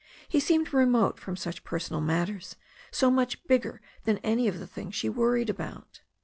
He seemed remote from such personal matters, so much bigger than any of the / things she worried about.